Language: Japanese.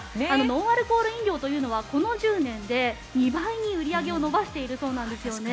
ノンアルコール飲料というのはこの１０年で２倍に売り上げを伸ばしているそうなんですよね。